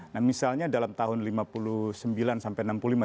nah misalnya dalam tahun lima puluh sembilan sampai enam puluh lima di masa sudah selesai